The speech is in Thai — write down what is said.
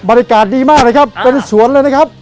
บริการดีมากเลยครับเป็นสวนเลยนะครับ